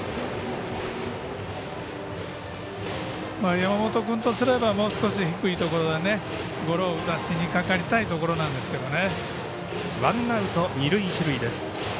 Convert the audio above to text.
山本君とすればもう少し低いところでゴロを打たせにかかりたいところなんですけどね。